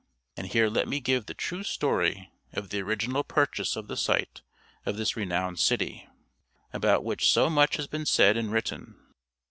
And here let me give the true story of the original purchase of the site of this renowned city, about which so much has been said and written.